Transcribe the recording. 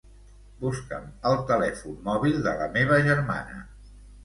Busca'm el telèfon mòbil de la meva germana.